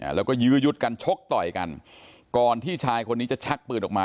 แล้วก็ยื้อยุดกันชกต่อยกันก่อนที่ชายคนนี้จะชักปืนออกมา